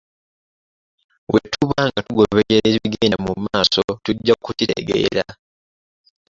Bwe tuba nga tugoberera ebigenda mu maaso tujja kukitegeera.